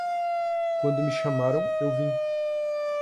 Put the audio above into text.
Quando me chamaram, eu vim